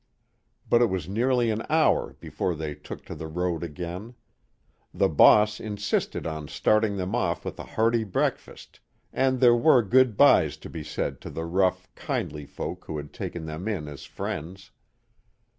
But it was nearly an hour before they took to the road again. The boss insisted on starting them off with a hearty breakfast, and there were good bys to be said to the rough, kindly folk who had taken them in as friends.